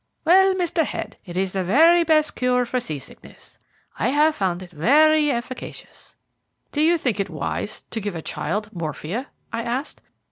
"Well, Mr. Head, it is the very best cure for sea sickness. I have found it most efficacious." "Do you think it wise to give a child morphia?" I asked.